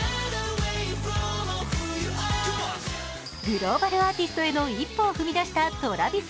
グローバルアーティストへの一歩を踏み出したＴｒａｖｉｓＪａｐａｎ。